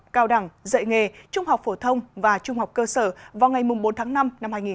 cao đẳng dạy nghề trung học phổ thông và trung học cơ sở vào ngày bốn tháng năm năm hai nghìn hai mươi